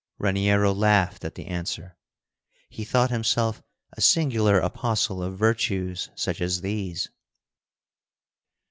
Raniero laughed at the answer. He thought himself a singular apostle of virtues such as these.